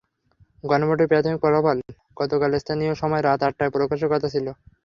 গণভোটের প্রাথমিক ফলাফল গতকাল স্থানীয় সময় রাত আটটায় প্রকাশের কথা ছিল।